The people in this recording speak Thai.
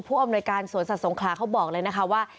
อำนวยการสวนสัตว์สงขลาเขาบอกเลยนะคะว่า